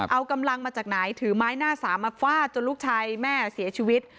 เอากำลังมาจากไหนถือไม้หน้าสามมาฟาดจนลูกชายแม่เสียชีวิต